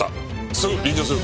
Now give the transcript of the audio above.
すぐ臨場する。